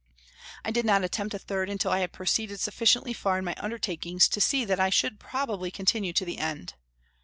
I did not attempt a third until I had proceeded sufficiently far in my undertaking to see that I should probably continue to the end.